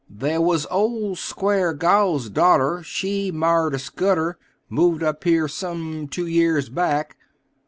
"There wos ole Square Gow's da'ter, she marri'd a Scudder; moved up here some two years back.